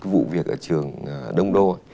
vụ việc ở trường đông đô